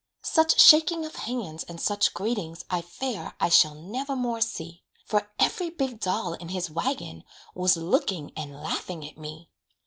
Such shaking of hands and such greetings I fear I shall nevermore see; For every big doll in his wagon Was looking and laughing at me.